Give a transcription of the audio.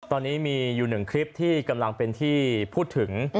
ตอนนี้มีอยู่หนึ่งคลิปที่กำลังเป็นที่พูดถึง